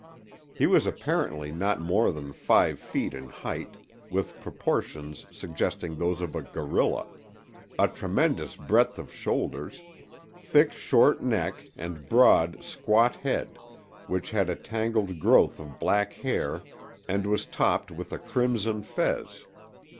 He was apparently not more than five feet in height, with proportions suggesting those of a gorilla—a tremendous breadth of shoulders, thick, short neck and broad, squat head, which had a tangled growth of black hair and was topped with a crimson fez.